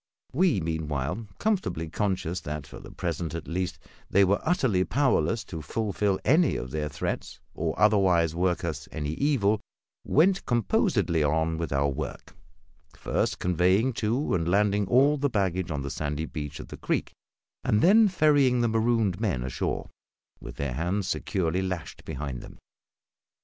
We, meanwhile, comfortably conscious that, for the present at least, they were utterly powerless to fulfil any of their threats, or otherwise work us any evil, went composedly on with our work; first conveying to and landing all the baggage on the sandy beach of the creek, and then ferrying the marooned men ashore, with their hands securely lashed behind them.